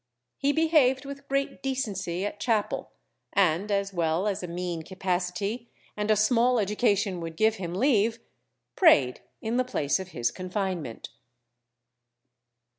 He behaved with great decency at chapel, and as well as a mean capacity and a small education would give him leave, prayed in the place of his confinement.